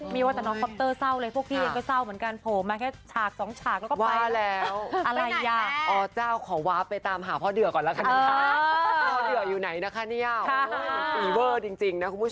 หัวใจฉันมีเพียงเธอไม่คิดใจฉันให้รักเธอนิรันดร์